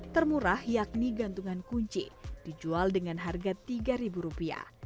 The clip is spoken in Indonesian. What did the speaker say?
termurah yakni gantungan kunci dijual dengan harga rp tiga